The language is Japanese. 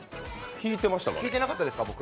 弾いてなかったですか、僕？